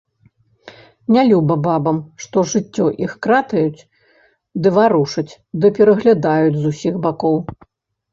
Нялюба бабам, што жыццё іх кратаюць, ды варушаць, ды пераглядаюць з усіх бакоў.